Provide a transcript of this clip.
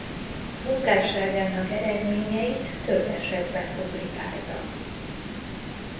Munkásságának eredményeit több esetben publikálta.